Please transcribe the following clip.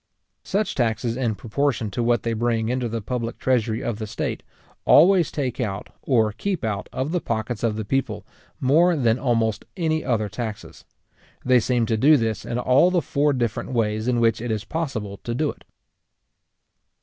Such taxes, in proportion to what they bring into the public treasury of the state, always take out, or keep out, of the pockets of the people, more than almost any other taxes. They seem to do this in all the four different ways in which it is possible to do it.